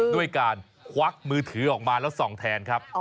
ด้วยการควักมือถือออกมาแล้วส่องแทนครับ